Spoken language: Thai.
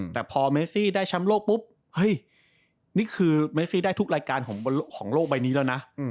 แต่พอเมซี่ได้แชมป์โลกปุ๊บเฮ้ยนี่คือเมซี่ได้ทุกรายการของโลกใบนี้แล้วนะ